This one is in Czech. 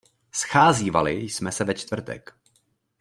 Scházívali jsme se ve čtvrtek.